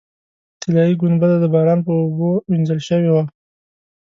طلایي ګنبده د باران په اوبو وینځل شوې وه.